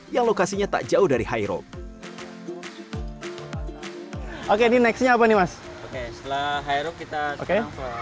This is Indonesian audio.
yang lokasinya tak jauh dari highroll oke di nextnya apa nih mas oke setelah hair kita oke